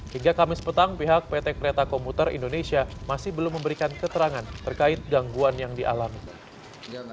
hingga kamis petang pihak pt kereta komuter indonesia masih belum memberikan keterangan terkait gangguan yang dialami